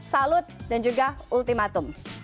salud dan juga ultimatum